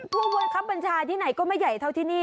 ผู้บังคับบัญชาที่ไหนก็ไม่ใหญ่เท่าที่นี่